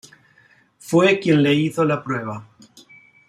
Fue quien le hizo la prueba.